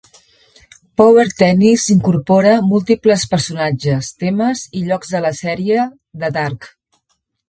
Power Tennis incorpora múltiples personatges, temes i llocs de la sèrie de "Dark".